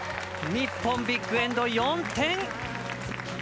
日本、ビッグエンド、４点。